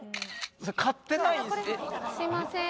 すみません。